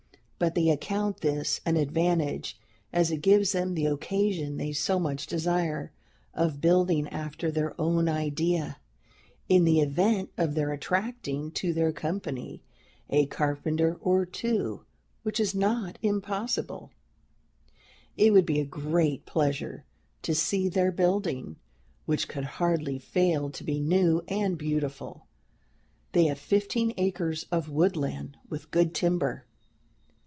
But they account this an advantage, as it gives them the occasion they so much desire, of building after their own idea. In the event of their attracting to their company a carpenter or two, which is not impossible, it would be a great pleasure to see their building, which could hardly fail to be new and beautiful. They have fifteen acres of woodland, with good timber."